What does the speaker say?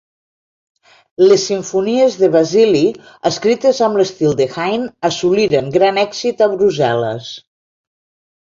Les simfonies de Basili, escrites amb l'estil de Haydn, assoliren gran èxit a Brussel·les.